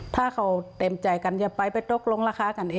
ทุกมันอยู่ในหลวนของร้านอาหาร